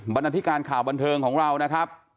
บรรณาธิการข่าวบันเทิงของเรานะครับ